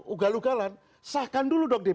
ugal ugalan sahkan dulu dong